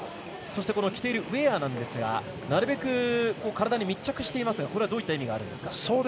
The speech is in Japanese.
そして、着ているウエアですがなるべく体に密着していますが、これはどういった意味があるんですか。